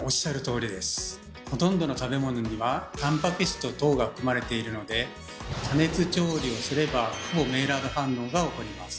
ほとんどの食べ物にはタンパク質と糖が含まれているので加熱調理をすればほぼメイラード反応が起こります。